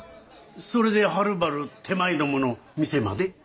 それではるばる手前どもの店まで？